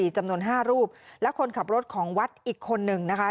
จำนวน๕รูปและคนขับรถของวัดอีกคนนึงนะคะ